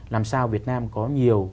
làm sao việt nam có nhiều